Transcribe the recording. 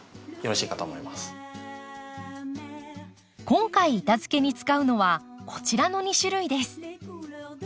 今回板づけに使うのはこちらの２種類です。